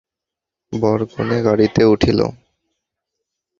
বরকনে গাড়িতে উঠল।